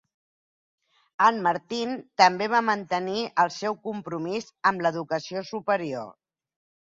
En Martin també va mantenir el seu compromís amb l'educació superior.